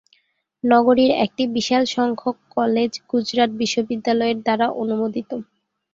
নগরীর একটি বিশাল সংখ্যক কলেজ গুজরাট বিশ্ববিদ্যালয়ের দ্বারা অনুমোদিত।